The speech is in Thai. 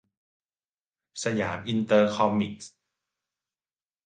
สยามอินเตอร์คอมิกส์